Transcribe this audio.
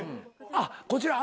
あっこちら。